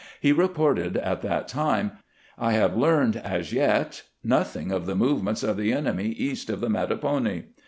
He reported at that time :" I have learned, as yet, nothing of the movements of the enemy east of the Mattapony."